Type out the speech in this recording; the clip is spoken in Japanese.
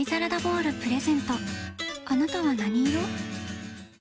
あなたは何色？